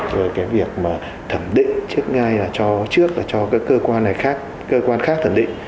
rồi cái việc mà thẩm định trước ngay là cho trước là cho các cơ quan này khác cơ quan khác thẩm định